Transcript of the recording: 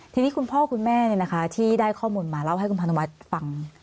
ทีนี้คุณพ่อคุณแม่ที่ได้ข้อมูลมาเล่าให้คุณพนุวัฒน์ฟัง